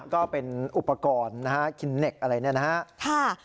ก็เป็นอุปกรณ์นะฮะคินเน็กอะไรเนี่ยนะฮะ